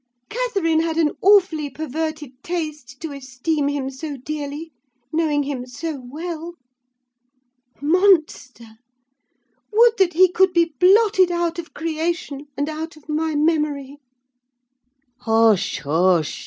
Catherine had an awfully perverted taste to esteem him so dearly, knowing him so well. Monster! would that he could be blotted out of creation, and out of my memory!" "Hush, hush!